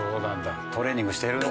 トレーニングしているんだ。